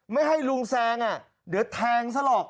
ไม่ให้ลุงแซงเดี๋ยวแทงซะหรอก